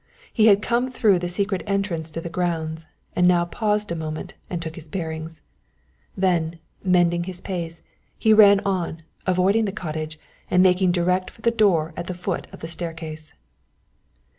He had come through the secret entrance to the grounds, and now paused a moment and took his bearings. Then, mending his pace, he ran on, avoiding the cottage, and making direct for the door at the foot of the staircase.